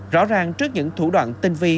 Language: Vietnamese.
rõ ràng trước những thủ đoạn tinh vi